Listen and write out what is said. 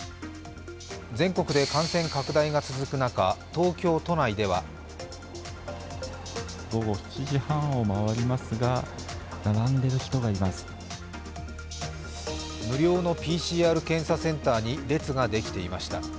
全国で感染拡大が続く中、東京都内では無料のＰＣＲ検査センターに列ができていました。